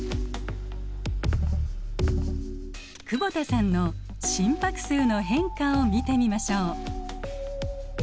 久保田さんの心拍数の変化を見てみましょう。